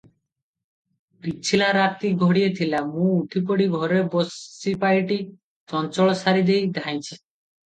ପିଛିଲା ରାତି ଘଡ଼ିଏ ଥିଲା, ମୁଁ ଉଠି ପଡ଼ି ଘରେ ବାସିପାଇଟି ଚଞ୍ଚଳ ସାରିଦେଇ ଧାଇଁଛି ।